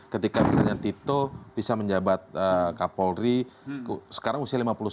ketika misalnya tito bisa menjabat kapolri sekarang usia lima puluh satu